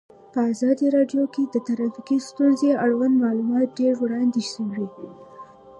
په ازادي راډیو کې د ټرافیکي ستونزې اړوند معلومات ډېر وړاندې شوي.